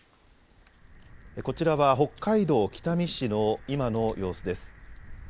こちらは北海道北見市の今の様子です。